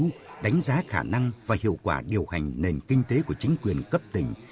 nghiên cứu đánh giá khả năng và hiệu quả điều hành nền kinh tế của chính quyền cấp tỉnh